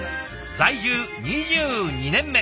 在住２２年目。